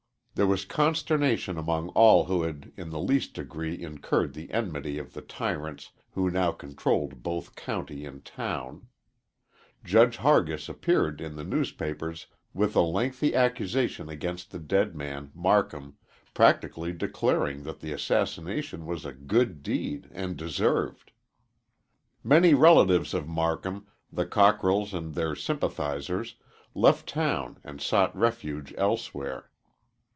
There was consternation among all who had in the least degree incurred the enmity of the tyrants who now controlled both county and town. Judge Hargis appeared in the newspapers with a lengthy accusation against the dead man Marcum, practically declaring that the assassination was a good deed and deserved. Many relatives of Marcum, the Cockrells and their sympathizers, left town and sought refuge elsewhere.